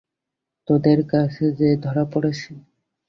তোদের কাছে যে ধরা পড়েছি।